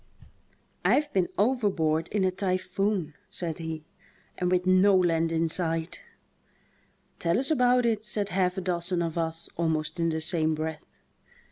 "I've been overboard in a typhoon," said he, "and with no land in sight." "Tell us about it," said half a dozen of us almost in the same breath.